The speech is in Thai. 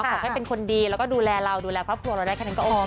ขอให้เป็นคนดีแล้วก็ดูแลเราดูแลครอบครัวเราได้แค่นั้นก็โอเค